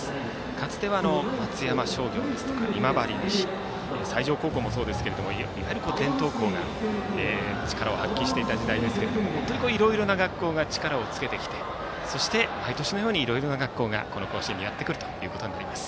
かつては松山商業、今治西西条高校もそうですが伝統校が力を発揮していた時代ですがいろいろな学校が力をつけてきてそして毎年のようにいろいろな学校が甲子園にやってきます。